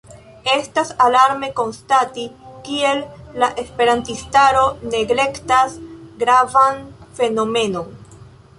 Estas alarme konstati, kiel la esperantistaro neglektas gravan fenomenon.